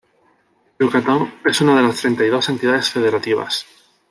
Yucatán es una de las treinta y dos entidades federativas